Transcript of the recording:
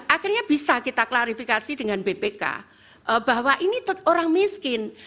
akhirnya bisa kita klarifikasi dengan bpk bahwa ini orang miskin